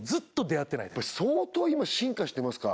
やっぱり相当今進化してますか？